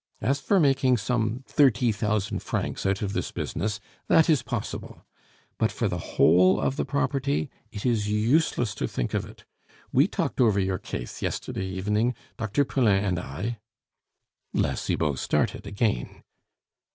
As for making some thirty thousand francs out of this business that is possible; but for the whole of the property, it is useless to think of it. We talked over your case yesterday evening, Dr. Poulain and I " La Cibot started again.